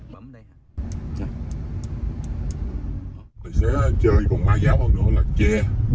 tài xế chơi còn má giáo hơn nữa là che